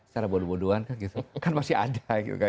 secara bodoh bodohan kan gitu kan masih ada